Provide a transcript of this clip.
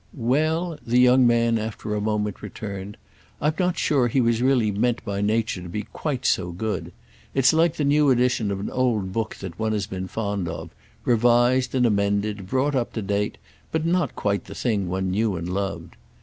"Well," the young man after a moment returned, "I'm not sure he was really meant by nature to be quite so good. It's like the new edition of an old book that one has been fond of—revised and amended, brought up to date, but not quite the thing one knew and loved.